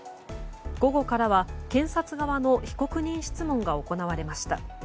午後からは検察側の被告人質問が行われました。